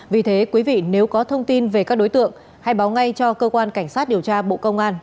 vì thế quý vị nếu có thông tin về các đối tượng hãy báo ngay cho cơ quan cảnh sát điều tra bộ công an